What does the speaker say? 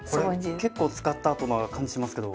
これ結構使ったあとな感じしますけど。